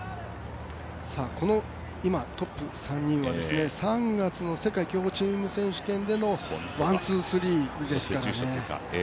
この今、トップ３人は３月の世界競歩チーム選手権でのワン・ツー・スリーですからね